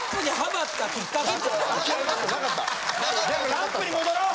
キャンプに戻ろう！